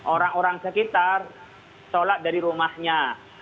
orang orang sekitar sholat dari rumahnya